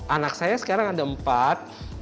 anak saya sekarang ada empat